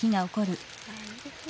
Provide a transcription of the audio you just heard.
いいですね。